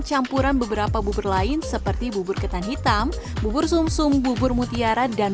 campuran beberapa bubur lain seperti bubur ketan hitam bubur sum sum bubur mutiara dan